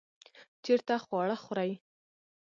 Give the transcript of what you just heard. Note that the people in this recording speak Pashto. چیرته خواړه خورئ؟